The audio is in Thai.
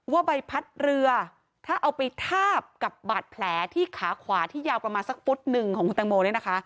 ใบพัดเรือถ้าเอาไปทาบกับบาดแผลที่ขาขวาที่ยาวประมาณสักฟุตหนึ่งของคุณตังโมเนี่ยนะคะ